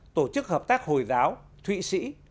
tổ chức hợp tác hồi giáo thụy sĩ